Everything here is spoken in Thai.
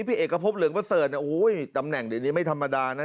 พี่เอกพบเหลืองเบอร์เซิร์นโอ้โฮตำแหน่งเดี๋ยวนี้ไม่ธรรมดานะ